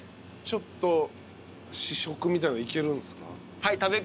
ちょっと試食みたいのいけるんすか？